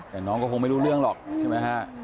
แต่น้องก็คงไม่รู้เรื่องหรอกใช่ไหมฮะ